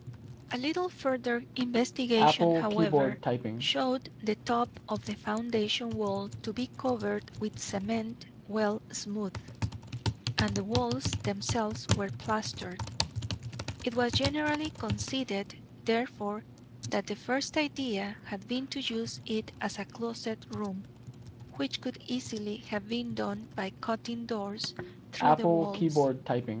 A little further investigation, however, showed the top of the foundation wall to be covered with cement well smoothed, and the walls themselves were plastered. It was generally conceded, therefore, that the first idea had been to use it as closet room, which could easily have been done by cutting doors through the walls.